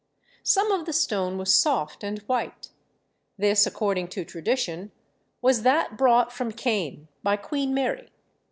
Some of the stone was soft and white. This, according to tradition, was that brought from Caen by Queen Mary.